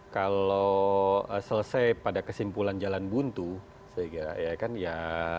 kalau selesai pada kesimpulan jalan buntu saya kira ya kan ya